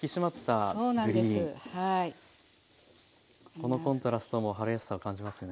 このコントラストも春らしさを感じますね。